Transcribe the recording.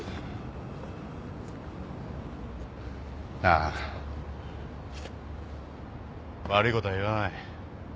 なあ悪いことは言わない。